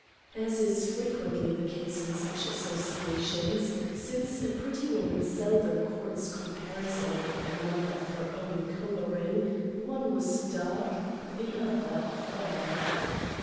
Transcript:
As is frequently the case in such associations, since a pretty woman seldom courts comparison with another of her own colouring, one was dark, the other fair.